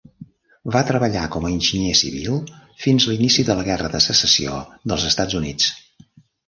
Va treballar com a enginyer civil fins l'inici de la Guerra de Secessió dels Estats Units.